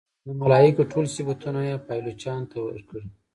د ملایکو ټول صفتونه یې پایلوچانو ته ورکړي.